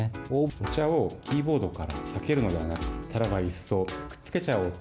お茶をキーボードから避けるのではなく、ならばいっそくっつけちゃおうと。